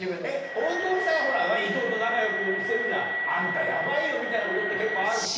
大久保さんほらいとうと仲良くしてるじゃん。あんたヤバいよみたいなことって結構あるの？